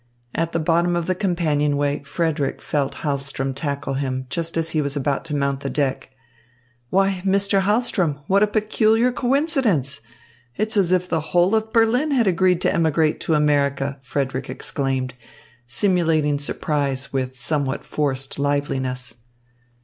At the bottom of the companionway Frederick felt Hahlström tackle him, just as he was about to mount to deck. "Why, Mr. Hahlström, what a peculiar coincidence! It's as if the whole of Berlin had agreed to emigrate to America!" Frederick exclaimed, simulating surprise with somewhat forced liveliness.